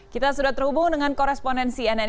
kita sudah terhubung dengan koresponensi nnk